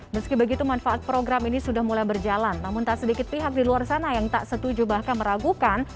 meski begitu manfaat program ini sudah mulai berjalan namun tak sedikit pihak di luar sana yang tak setuju bahkan meragukan